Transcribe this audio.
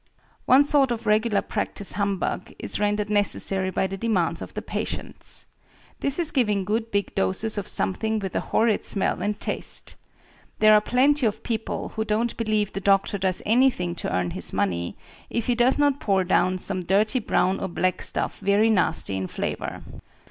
One sort of regular practice humbug is rendered necessary by the demands of the patients. This is giving good big doses of something with a horrid smell and taste. There are plenty of people who don't believe the doctor does anything to earn his money, if he does not pour down some dirty brown or black stuff very nasty in flavor.